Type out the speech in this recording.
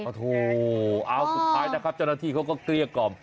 โอ้โฮเอาสุดท้ายนะครับจนกว่าที่เขาก็เตรียกก่อน